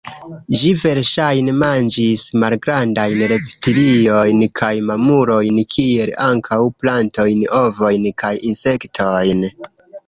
Ĝi verŝajne manĝis malgrandajn reptiliojn kaj mamulojn kiel ankaŭ plantojn, ovojn kaj insektojn.